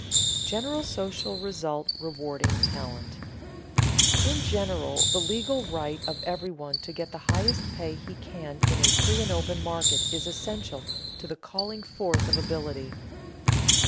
[Sidenote: General social result of rewarding talent] In general the legal right of everyone to get the highest pay he can in a free and open market is essential to the calling forth of ability.